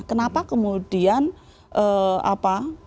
kenapa kemudian apa